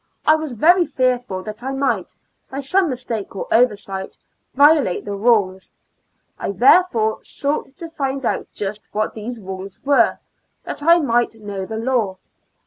I was very fearful that I might, by some mistake or oversight, violate the rules ; I therefore sought to find out just what these rules were, that I mic>'ht know the law.